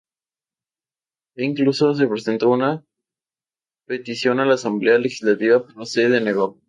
He incluso se presentó una petición a la Asamblea Legislativa pero se denegó.